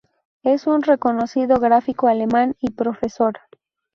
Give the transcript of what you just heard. Es un reconocido gráfico alemán y profesor.